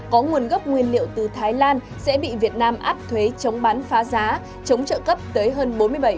có nguồn gốc nguyên liệu từ thái lan sẽ bị việt nam áp thuế chống bán phá giá chống trợ cấp tới hơn bốn mươi bảy